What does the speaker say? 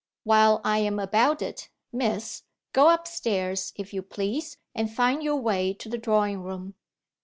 While I am about it, Miss, go upstairs, if you please, and find your way to the drawing room."